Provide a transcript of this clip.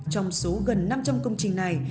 trong số gần năm trăm linh công trình này